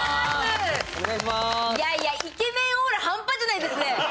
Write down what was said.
イケメンオーラ、半端じゃないですね。